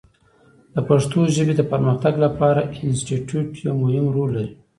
د پښتو ژبې د پرمختګ لپاره انسټیټوت یو مهم رول لري.